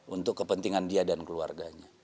untuk kepentingan dia dan keluarganya